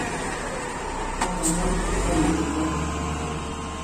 Alamóči oirépua.